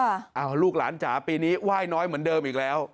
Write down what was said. อ้าวลูกหลานจ๋าปีนี้ไหว้น้อยเหมือนเดิมอีกแล้ว